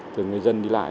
từ người dân đi lại